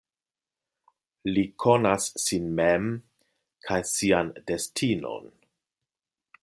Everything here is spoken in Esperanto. Li konas sin mem kaj sian destinon.